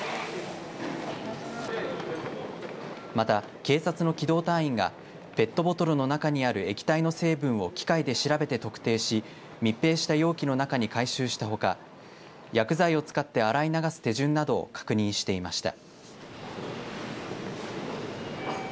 また、警察の機動隊員がペットボトルの中にある液体の成分を機械で調べて特定し密閉した容器の中に回収したほか薬剤を使って洗い流す手順などを確認していました。